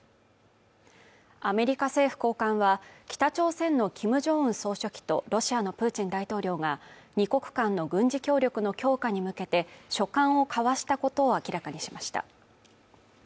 アメリカ政府高官は北朝鮮のキム・ジョンウン総書記とロシアのプーチン大統領が２国間の軍事協力の強化に向けて書簡を交わしたことを明らかにしました